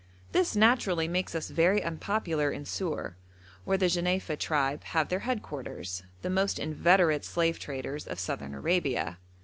This naturally makes us very unpopular in Sur, where the Jenefa tribe have their head quarters, the most inveterate slave traders of Southern Arabia.